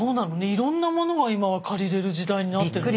いろんなものが今は借りれる時代になってるのね。